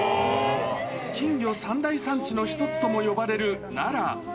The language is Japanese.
近所三大産地の一つとも呼ばれる奈良。